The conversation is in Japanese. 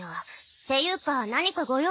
っていうか何かご用？